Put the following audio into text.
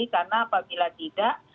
karena apabila tidak